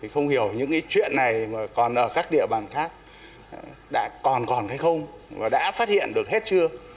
không hiểu những chuyện này mà còn ở các địa bàn khác đã còn còn hay không và đã phát hiện được hết chưa